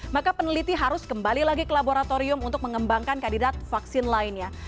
maka peneliti harus kembali lagi ke laboratorium untuk mengembangkan kandidat vaksin lainnya